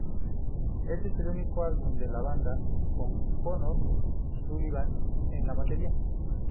Este es el último álbum de la banda con Conor Sullivan en la batería.